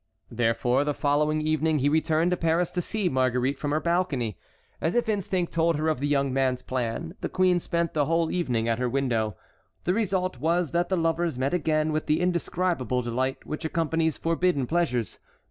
Therefore, the following evening he returned to Paris to see Marguerite from her balcony. As if instinct told her of the young man's plan, the queen spent the whole evening at her window. The result was that the lovers met again with the indescribable delight which accompanies forbidden pleasures.